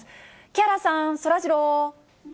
木原さん、そらジロー。